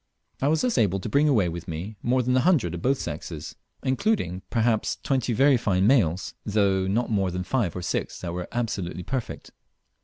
I was thus able to bring away with me more than a hundred of both sexes, including perhaps twenty very fine males, though not more than five or six that were absolutely perfect.